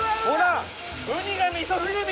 ほら。